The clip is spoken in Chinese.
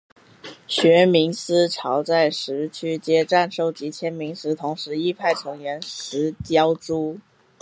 学民思潮在十区街站收集签名的同时亦派成员拾胶珠。